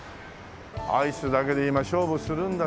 アイスだけで今勝負するんだ。